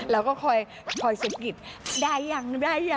แล้วก็คอยสะกิดได้อย่าง